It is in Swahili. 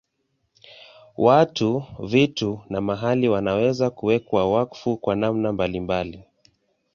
Watu, vitu na mahali wanaweza kuwekwa wakfu kwa namna mbalimbali.